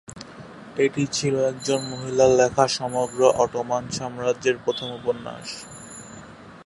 এটি ছিল একজন মহিলার লেখা সমগ্র অটোমান সাম্রাজ্যের প্রথম উপন্যাস।